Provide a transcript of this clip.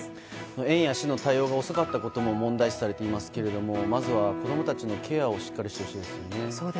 園や市の対応が遅かったことも問題視されていますけれどもまずは、子供たちのケアをしっかりしてほしいですね。